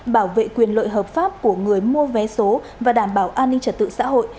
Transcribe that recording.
bảo vệ quyền lợi hợp pháp của người mua vé số và đảm bảo an ninh trật tự xã hội